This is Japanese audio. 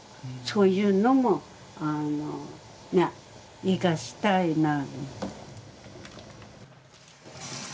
そういうのも生かしたいな。